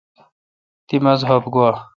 تی مذہب گوا؟